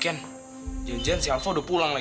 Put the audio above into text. ken jauh jauhan si alva udah pulang lagi